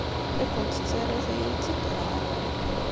La kent-tettara tayri d tiderɣalin.